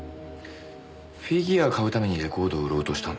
フィギュア買うためにレコード売ろうとしたんだ。